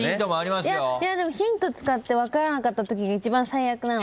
でもヒント使って分からなかったときが一番最悪なので。